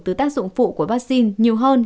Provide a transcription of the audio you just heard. từ tác dụng phụ của vaccine nhiều hơn